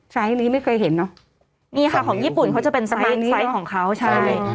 ไซต์นี้ไม่เคยเห็นอ่ะนี่ค่ะของญี่ปุ่นเขาจะเป็นของเขาใช่